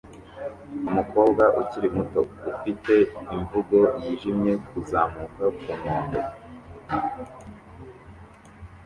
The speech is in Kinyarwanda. Umukobwa ukiri muto ufite imvugo yiyemeje kuzamuka ku nkombe